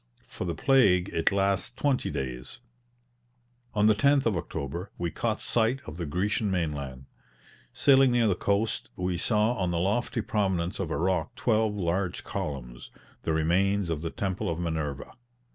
For the plague it lasts twenty days. On the 10th of October we caught sight of the Grecian mainland. Sailing near the coast, we saw on the lofty prominence of a rock twelve large columns, the remains of the Temple of Minerva.